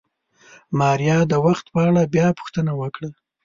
ماريا د وخت په اړه بيا پوښتنه وکړه.